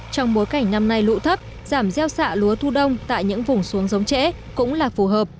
trong bối cảnh năm nay lụ thấp giảm gieo xạ lúa thu đông tại những vùng xuống giống trễ cũng là phù hợp